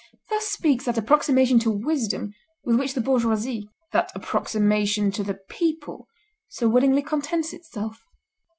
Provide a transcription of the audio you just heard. Thus speaks that approximation to wisdom with which the bourgeoisie, that approximation to the people, so willingly contents itself.